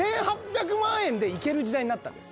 １８００万円で行ける時代になったんです。